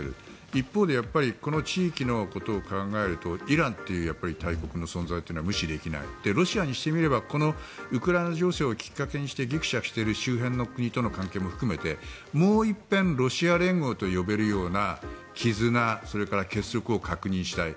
一方でこの地域のことを考えるとイランという大国の存在というのは無視できなくてロシアとしてはウクライナ情勢をきっかけにぎくしゃくしている周辺の国との関係も含めてもう一遍、ロシアと連合と呼べるような絆、結束を確認したい。